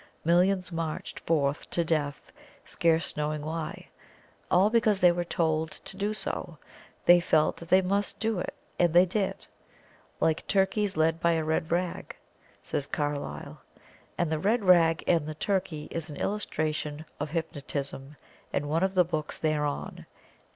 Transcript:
"Millions marched forth to death scarce knowing why," all because they were told to do so they felt that they must do it, and they did it. "Like turkeys led by a red rag," says CARLYLE. And the red rag and the turkey is an illustration of Hypnotism in one of the books thereon.